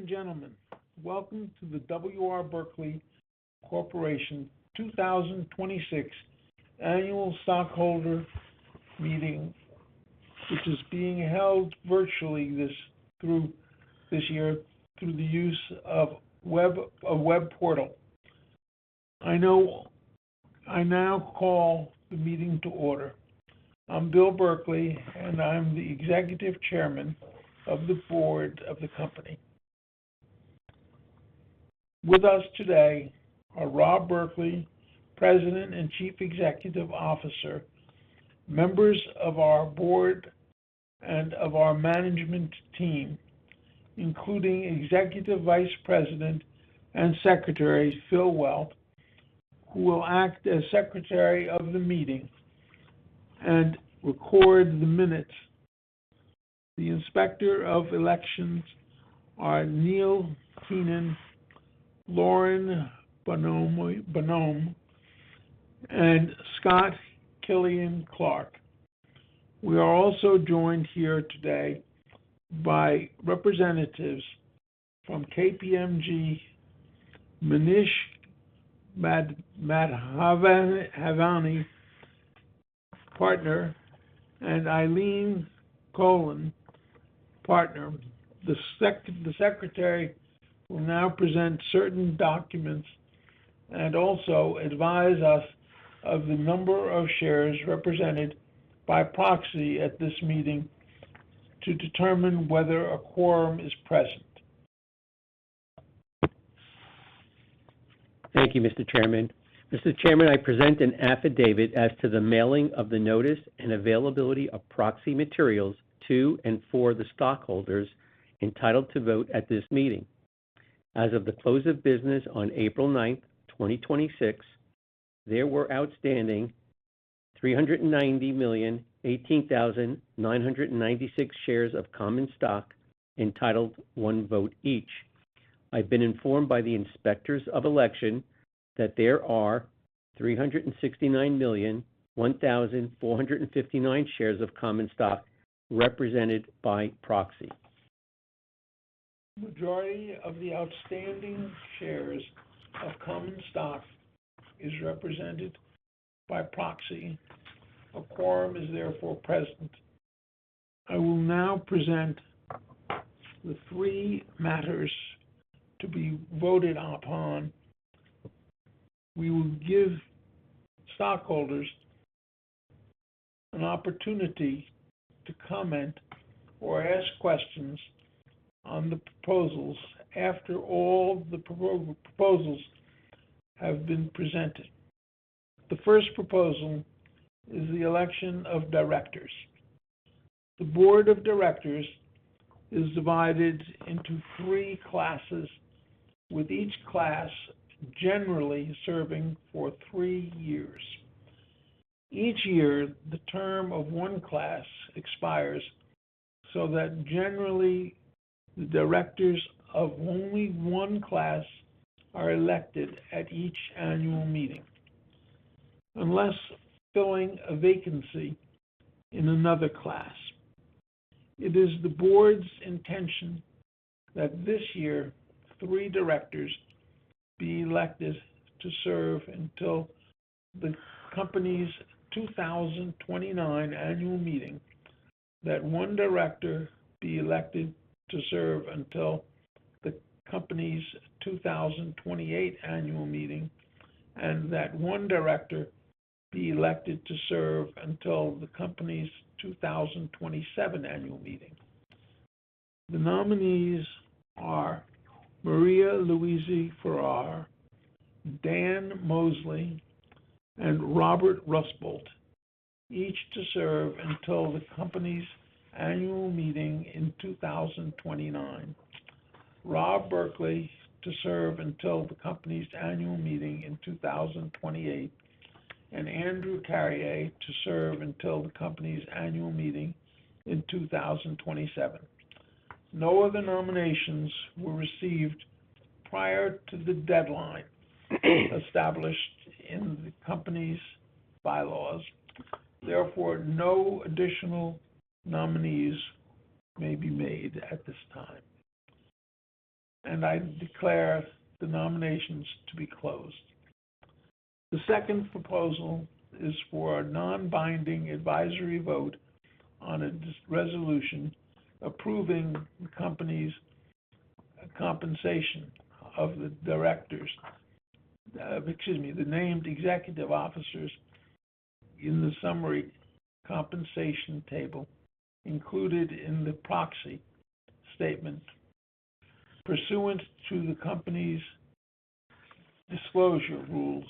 Ladies and gentlemen, welcome to the W. R. Berkley Corporation 2026 annual stockholder meeting, which is being held virtually this year through the use of a web portal. I now call the meeting to order. I'm Bill Berkley, and I'm the Executive Chairman of the board of the company. With us today are Rob Berkley, President and Chief Executive Officer, members of our board and of our management team, including Executive Vice President and Secretary, Phil Welt, who will act as secretary of the meeting and record the minutes. The inspector of elections are Neil Keenan, Lauren Bonhomme, and Scott Killian Clark. We are also joined here today by representatives from KPMG, Manish Madhavani, Partner, and Eileen Colon, Partner. The secretary will now present certain documents and also advise us of the number of shares represented by proxy at this meeting to determine whether a quorum is present. Thank you, Mr. Chairman. Mr. Chairman, I present an affidavit as to the mailing of the notice and availability of proxy materials to and for the stockholders entitled to vote at this meeting. As of the close of business on April 9th, 2026, there were outstanding 390,018,996 shares of common stock entitled one vote each. I've been informed by the inspectors of election that there are 369,001,459 shares of common stock represented by proxy. Majority of the outstanding shares of common stock is represented by proxy. A quorum is therefore present. I will now present the three matters to be voted upon. We will give stockholders an opportunity to comment or ask questions on the proposals after all the proposals have been presented. The first proposal is the election of directors. The board of directors is divided into three classes, with each class generally serving for three years. Each year, the term of one class expires, so that generally the directors of only one class are elected at each annual meeting, unless filling a vacancy in another class. It is the board's intention that this year three directors be elected to serve until the company's 2029 annual meeting, that one director be elected to serve until the company's 2028 annual meeting, and that one director be elected to serve until the company's 2027 annual meeting. The nominees are Maria Luisa Ferre, Dan Mosley, and Robert Rusbuldt, each to serve until the company's annual meeting in 2029, Rob Berkley to serve until the company's annual meeting in 2028, and Andrew Carrier to serve until the company's annual meeting in 2027. No other nominations were received prior to the deadline established in the company's bylaws. Therefore, no additional nominees may be made at this time. I declare the nominations to be closed. The second proposal is for a non-binding advisory vote on a resolution approving the company's compensation of the named executive officers in the summary compensation table included in the proxy statement pursuant to the company's disclosure rules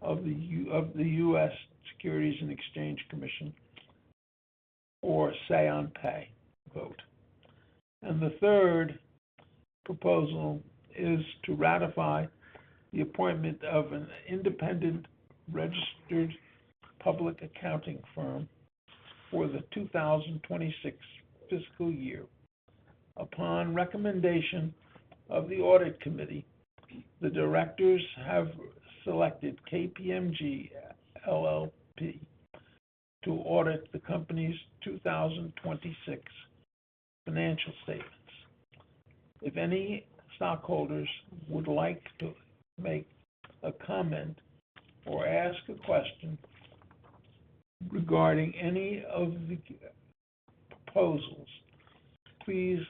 of the U.S. Securities and Exchange Commission, or say on pay vote. The third proposal is to ratify the appointment of an independent registered public accounting firm for the 2026 fiscal year. Upon recommendation of the audit committee, the directors have selected KPMG LLP to audit the company's 2026 financial statements. If any stockholders would like to make a comment or ask a question regarding any of the proposals, please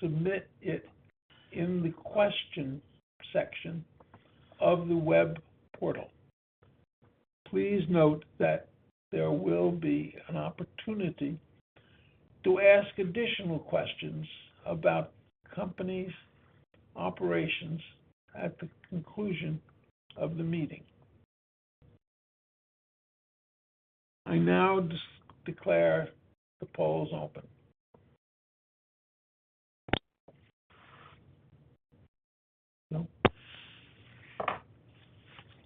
submit it in the question section of the web portal. Please note that there will be an opportunity to ask additional questions about company's operations at the conclusion of the meeting. I now declare the polls open.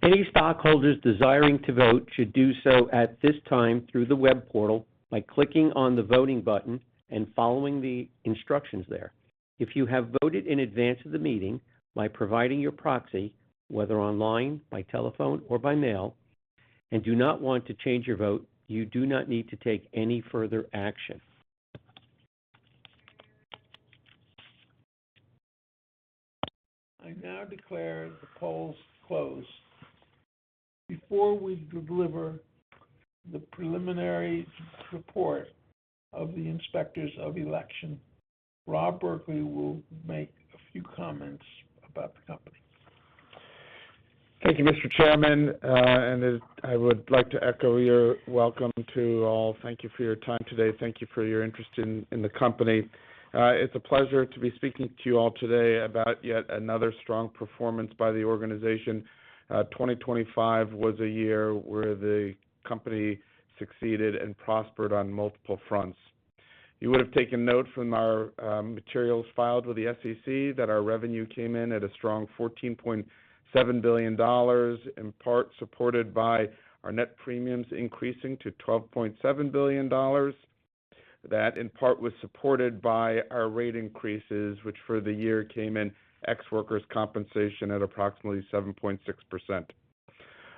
Any stockholders desiring to vote should do so at this time through the web portal by clicking on the voting button and following the instructions there. If you have voted in advance of the meeting by providing your proxy, whether online, by telephone, or by mail, and do not want to change your vote, you do not need to take any further action. I now declare the polls closed. Before we deliver the preliminary report of the inspectors of election, Rob Berkley will make a few comments about the company. Thank you, Mr. Chairman. I would like to echo your welcome to all. Thank you for your time today. Thank you for your interest in the company. It's a pleasure to be speaking to you all today about yet another strong performance by the organization. 2025 was a year where the company succeeded and prospered on multiple fronts. You would have taken note from our materials filed with the SEC that our revenue came in at a strong $14.7 billion, in part supported by our net premiums increasing to $12.7 billion. That, in part, was supported by our rate increases, which for the year came in ex workers' compensation at approximately 7.6%.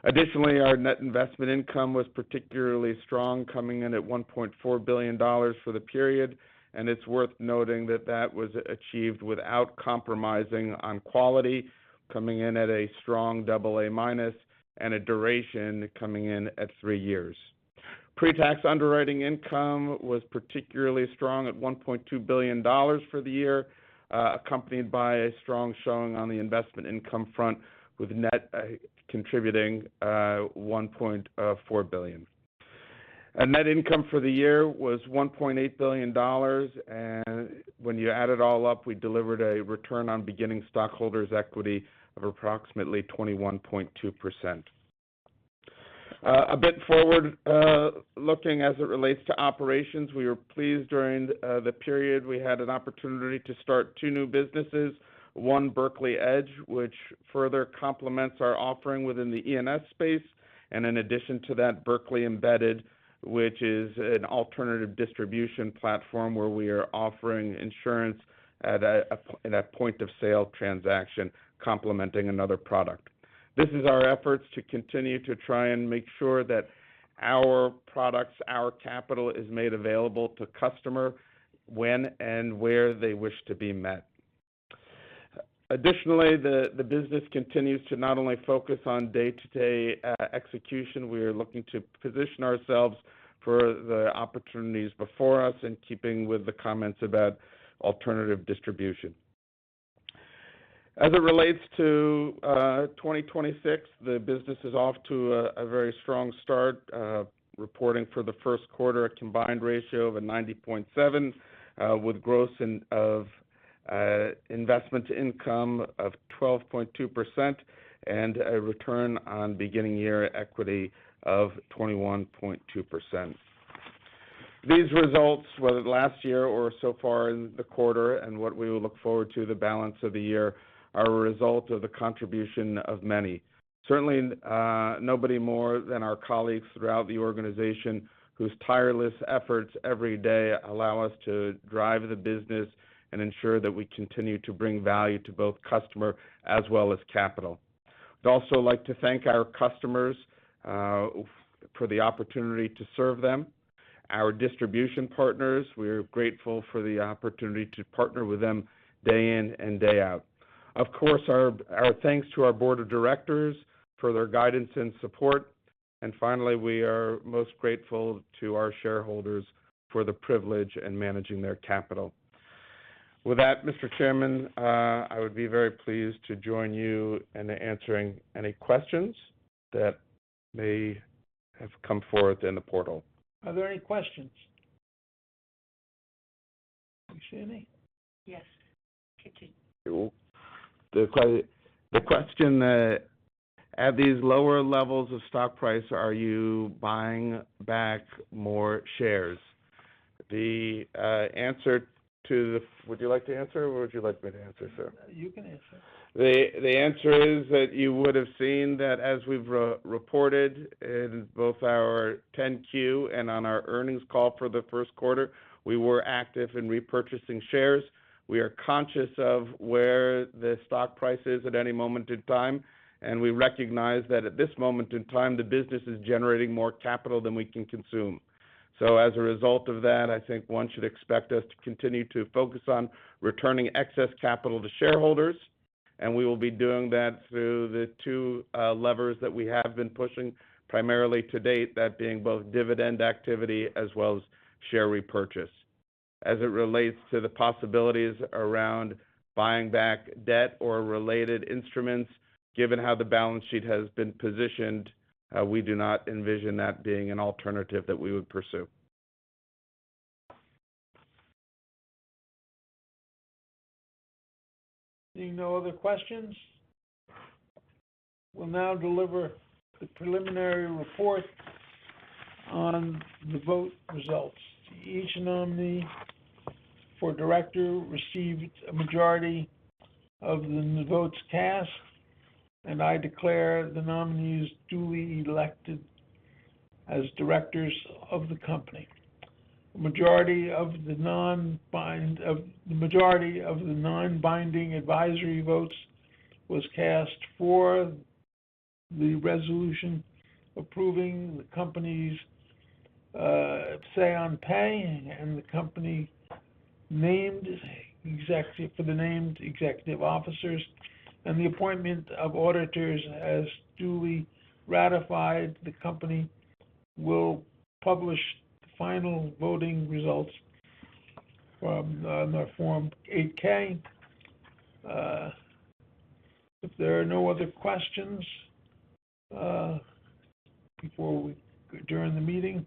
Additionally, our net investment income was particularly strong, coming in at $1.4 billion for the period, and it's worth noting that that was achieved without compromising on quality, coming in at a strong double AA-minus, and a duration coming in at three years. Pre-tax underwriting income was particularly strong at $1.2 billion for the year, accompanied by a strong showing on the investment income front, with net contributing $1.4 billion. net income for the year was $1.8 billion, and when you add it all up, we delivered a return on beginning stockholders' equity of approximately 21.2%. A bit forward-looking as it relates to operations, we were pleased during the period we had an opportunity to start two new businesses, one Berkley Edge, which further complements our offering within the E&S space, and in addition to that, Berkley Embedded, which is an alternative distribution platform where we are offering insurance at a point-of-sale transaction complementing another product. This is our efforts to continue to try and make sure that our products, our capital, is made available to customer when and where they wish to be met. Additionally, the business continues to not only focus on day-to-day execution, we are looking to position ourselves for the opportunities before us in keeping with the comments about alternative distribution. As it relates to 2026, the business is off to a very strong start, reporting for the first quarter a combined ratio of a 90.7% with growth of investment income of 12.2% and a return on beginning year equity of 21.2%. These results, whether last year or so far in the quarter and what we look forward to the balance of the year, are a result of the contribution of many. Certainly, nobody more than our colleagues throughout the organization whose tireless efforts every day allow us to drive the business and ensure that we continue to bring value to both customer as well as capital. We'd also like to thank our customers for the opportunity to serve them. Our distribution partners, we are grateful for the opportunity to partner with them day in and day out. Of course, our thanks to our board of directors for their guidance and support. Finally, we are most grateful to our shareholders for the privilege in managing their capital. With that, Mr. Chairman, I would be very pleased to join you in answering any questions that may have come forth in the portal. Are there any questions? Do you see any? Yes. Kitty. The question, at these lower levels of stock price, are you buying back more shares? Would you like to answer, or would you like me to answer, sir? You can answer. The answer is that you would have seen that as we've reported in both our 10-Q and on our earnings call for the first quarter, we were active in repurchasing shares. We are conscious of where the stock price is at any moment in time, and we recognize that at this moment in time, the business is generating more capital than we can consume. As a result of that, I think one should expect us to continue to focus on returning excess capital to shareholders, and we will be doing that through the two levers that we have been pushing primarily to date, that being both dividend activity as well as share repurchase. As it relates to the possibilities around buying back debt or related instruments, given how the balance sheet has been positioned, we do not envision that being an alternative that we would pursue. Seeing no other questions, we'll now deliver the preliminary report on the vote results. Each nominee for director received a majority of the votes cast, and I declare the nominees duly elected as directors of the company. The majority of the non-binding advisory votes was cast for the resolution approving the company's say on pay and for the named executive officers and the appointment of auditors as duly ratified. The company will publish the final voting results from their Form 8-K. If there are no other questions during the meeting,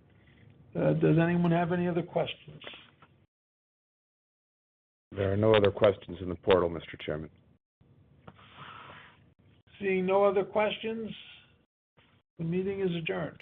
does anyone have any other questions? There are no other questions in the portal, Mr. Chairman. Seeing no other questions, the meeting is adjourned.